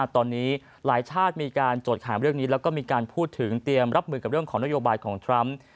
ตอนนี้หลายชาติมีการจดหาเรื่องนี้แล้วก็มีการพูดถึงเตรียมรับมือกับเรื่องของนโยบายของทรัมป์